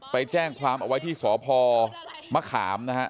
ไปแจ้งความเอาไว้ที่สพมะขามนะฮะ